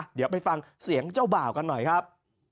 เดี๋ยวไปฟังเสียงเจ้าบ่าวกันหน่อยครับ